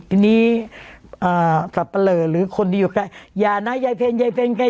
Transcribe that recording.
ทีนี้อ่าสับปะเล่อหรือคนดีอยู่ไกลอย่านะยายเพลงยายเพลงไกล